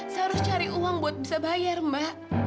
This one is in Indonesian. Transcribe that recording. saya harus cari uang buat bisa bayar mbak